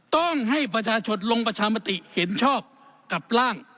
ต้องให้ประชาชนลงประชามติเห็นชอบกับร่าง